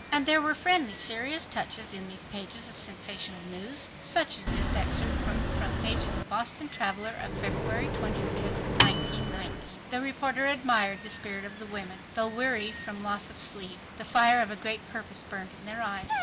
And there were friendly serious touches in these pages of sensational news—such as this excerpt from the front page of the Boston Traveler of February 25, 1919. "The reporter admired the spirit of the women. Though weary from loss of sleep, the fire of a great purpose burned in their eyes